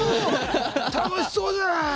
楽しそうじゃない。